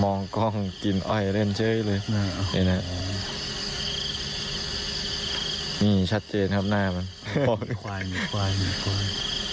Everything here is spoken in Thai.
กล้องกินอ้อยเล่นเฉยเลยนี่ชัดเจนครับหน้ามันควายมีควายมีควาย